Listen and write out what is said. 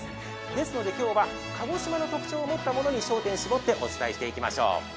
ですので今日は鹿児島の特徴を持ったものを焦点を絞ってお伝えしていきましょう。